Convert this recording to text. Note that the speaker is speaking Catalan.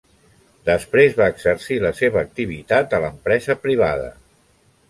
Després va exercir la seva activitat a l'empresa privada.